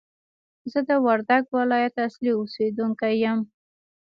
زه د وردګ ولایت اصلي اوسېدونکی یم!